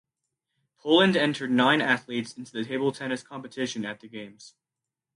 Poland entered nine athletes into the table tennis competition at the games.